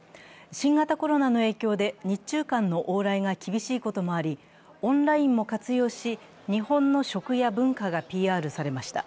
新型コロナの影響で日中間の往来が厳しいこともあり、オンラインも活用し日本の食や文化がＰＲされました。